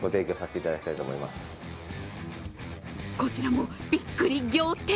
こちらもびっくり仰天！